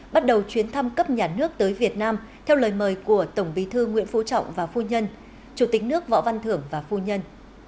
bắt đầu chuyến thăm cấp nhà nước tới việt nam theo lời mời của tổng bí thư nguyễn phú trọng và phu nhân chủ tịch nước võ văn thưởng và phu nhân